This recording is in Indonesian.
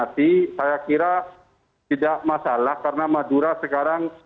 saya kira tidak masalah karena madura sekarang